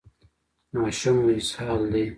ماشوم مو اسهال دی؟